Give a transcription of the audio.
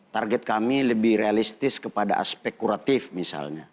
target kami lebih realistis kepada aspek kuratif misalnya